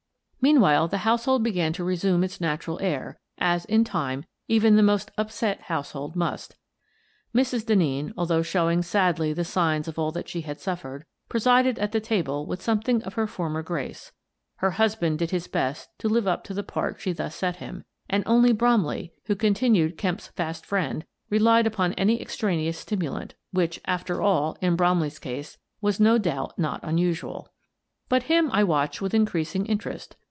Meanwhile, the household began to resume its natural air, as, in time, even the most upset house hold must. Mrs. Denneen, although showing sadly the signs of all that she had suffered, presided at the table with something of her former grace; her husband did his best to live up to the part she thus set him, and only Bromley — who continued Kemp's fast friend — relied upon any extraneous stimulant, which, after all, in Bromley's case, was no doubt not unusual. But him I watched with increasing interest.